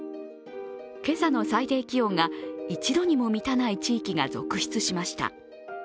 今朝の最低気温が１度にも満たない地域が続出しました。